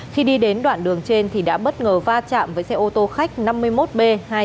khi đi đến đoạn đường trên thì đã bất ngờ va chạm với xe ô tô khách năm mươi một b hai mươi chín nghìn tám trăm linh tám